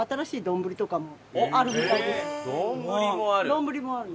丼もある？